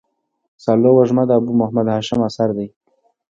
سالو وږمه د ابو محمد هاشم اثر دﺉ.